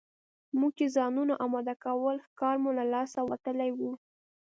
موږ چې ځانونه اماده کول ښکار مو له لاسه وتلی وو.